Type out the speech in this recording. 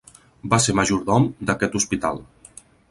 Va ser majordom d'aquest hospital.